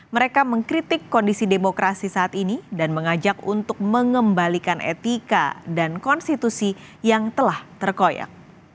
mereka mengkritik kondisi demokrasi saat ini dan mengajak untuk mengembalikan etika dan konstitusi yang telah terkoyak